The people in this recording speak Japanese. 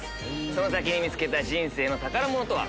その先に見つけた人生の宝物とは？